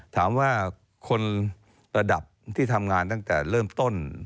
ถามว่าคนระดับที่ทำงานตั้งแต่เริ่มต้น